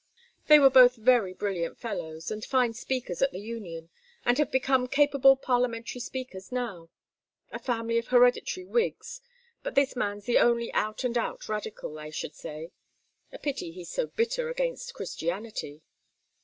They were both very brilliant fellows, and fine speakers at the Union, and have become capable Parliamentary speakers now. A family of hereditary Whigs; but this man's the only out and out Radical, I should say. A pity he's so bitter against Christianity."